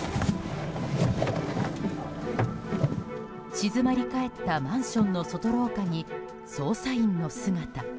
静まり返ったマンションの外廊下に、捜査員の姿。